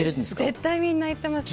絶対みんな行ってますよ。